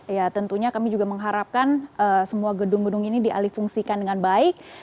ya tentunya kami juga mengharapkan semua gedung gedung ini dialih fungsikan dengan baik